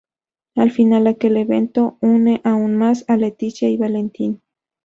Al final, aquel evento une aún más a Leticia y Valentín.